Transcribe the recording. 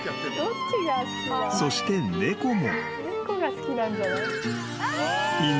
［そして猫も］